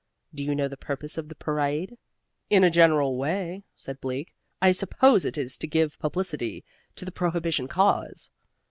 Do you know the purpose of the parade?" "In a general way," said Bleak, "I suppose it is to give publicity to the prohibition cause."